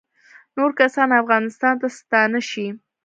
نور کسان افغانستان ته ستانه شي